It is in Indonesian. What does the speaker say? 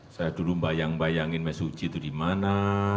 saya dulu bayang bayangin mesuji itu di mana